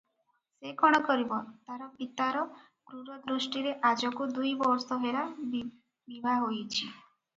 ସେ କଣ କରିବ ତାର ପିତାର କ୍ରୁରଦୃଷ୍ଟିରେ ଆଜକୁ ଦୁଇବର୍ଷ ହେଲା ବିଭା ହୋଇଚି ।